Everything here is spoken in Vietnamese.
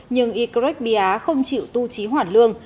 nhưng ycret bia không chịu tu trí hoản lương